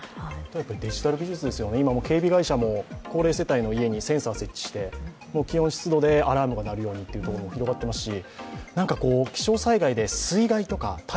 デジタル技術ですよね、警備会社も、高齢者の家にセンサーを設置して、気温・湿度でアラームが鳴るとかありますし。